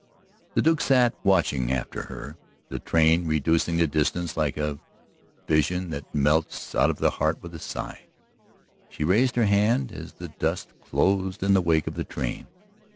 The Duke sat watching after her, the train reducing the distance like a vision that melts out of the heart with a sigh. She raised her hand as the dust closed in the wake of the train.